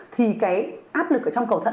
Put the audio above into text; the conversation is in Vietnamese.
thì cái áp lực ở trong cầu thận